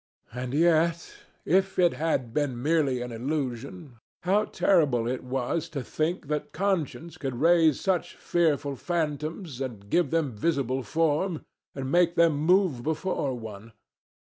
And yet if it had been merely an illusion, how terrible it was to think that conscience could raise such fearful phantoms, and give them visible form, and make them move before one!